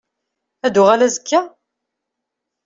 Ad d-tuɣal azekka?